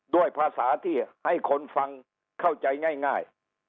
ด้วยภาษาที่ให้คนฟังเข้าใจง่าย